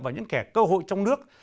và những kẻ cơ hội trong nước